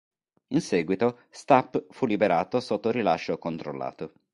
In seguito, Stapp fu liberato sotto rilascio controllato.